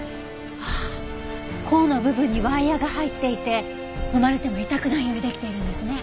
ああ甲の部分にワイヤが入っていて踏まれても痛くないようにできているんですね。